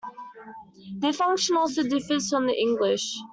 Their function also differs from the English.